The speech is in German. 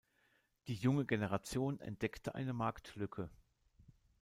Die junge Generation entdeckte eine Marktlücke.